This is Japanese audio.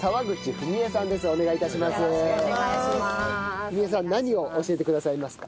文枝さん何を教えてくださいますか？